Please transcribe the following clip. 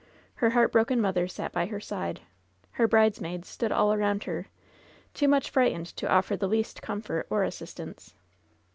Her heartbroken mother sat by her side. Her bridesmaids stood all around her, too much frightened to offer the least comfort or assistance.